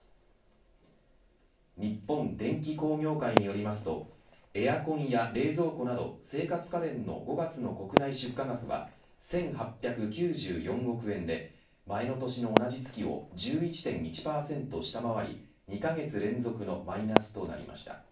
日本電機工業会によりますとエアコンや冷蔵庫など生活家電の５月の国内出荷額は１８９４億円で前の年の同じ月を１１．１％下回り２カ月連続のマイナスとなりました。